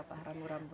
contohnya seperti apa